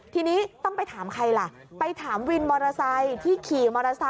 ทีนี้ต้องไปถามใครล่ะไปถามวินบริษัทที่ขี่มอเทศ